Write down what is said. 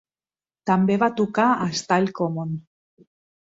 També va tocar a Stile Common.